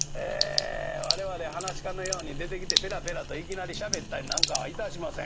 我々噺家のように出てきてペラペラといきなり喋ったりなんかは致しません。